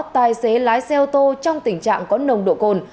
tài xế lái xe ô tô trong tình trạng có nồng độ cồn